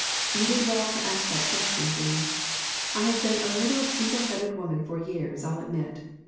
You did well to ask that question, Jane. I have been a beetle headed woman for years, I'll admit.